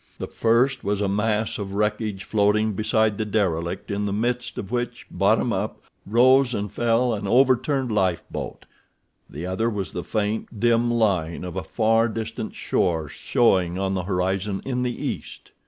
The first was a mass of wreckage floating beside the derelict in the midst of which, bottom up, rose and fell an overturned lifeboat; the other was the faint, dim line of a far distant shore showing on the horizon in the east.